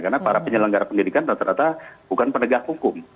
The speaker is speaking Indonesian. karena para penyelenggara pendidikan rata rata bukan penegak hukum